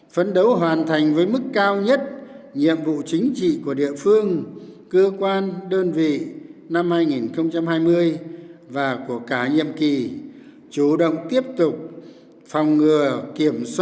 phấn đấu hoàn thành với mức cao nhất nhiệm vụ chính trị của địa phương cơ quan đơn vị năm hai nghìn hai mươi và của cả nhiệm kỳ